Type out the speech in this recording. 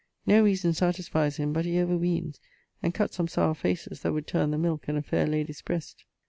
No reason satisfies him, but he overweenes, and cutts some sower faces that would turne the milke in a faire ladie's breast.